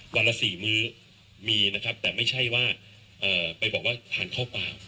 วันละ๔มื้อมีนะครับแต่ไม่ใช่ว่าไปบอกว่าทานข้าวเปล่า